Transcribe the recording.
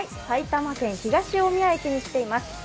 埼玉県東大宮駅に来ています。